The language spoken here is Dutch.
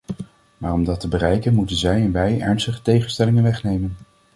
Maar om dat te bereiken moeten zij en wij ernstige tegenstellingen wegnemen.